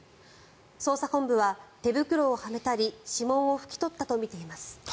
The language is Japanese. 捜査本部は、手袋をはめたり指紋を拭き取ったとみています。